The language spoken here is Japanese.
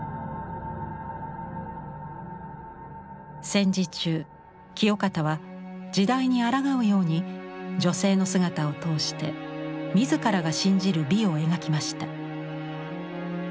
戦時中清方は時代にあらがうように女性の姿を通して自らが信じる美を描きました。